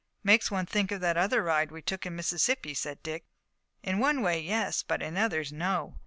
"Makes one think of that other ride we took in Mississippi," said Dick. "In one way, yes, but in others, no.